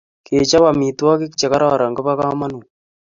Kechop amitwogik che kororon ko po kamanut